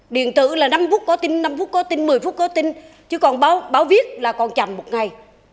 điện tử là năm phút có tin năm phút có tin một mươi phút có tin chứ còn báo viết là còn chậm một ngày